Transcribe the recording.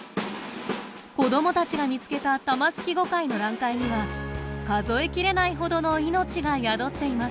子どもたちが見つけたタマシキゴカイの卵塊には数え切れないほどの命が宿っています。